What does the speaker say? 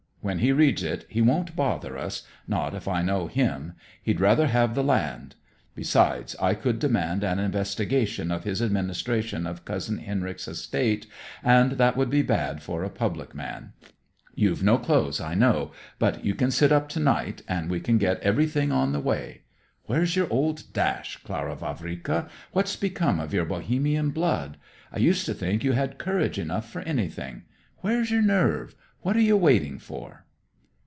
When he reads it he won't bother us not if I know him. He'd rather have the land. Besides, I could demand an investigation of his administration of Cousin Henrik's estate, and that would be bad for a public man. You've no clothes, I know; but you can sit up to night, and we can get everything on the way. Where's your old dash, Clara Vavrika? What's become of your Bohemian blood? I used to think you had courage enough for anything. Where's your nerve what are you waiting for?"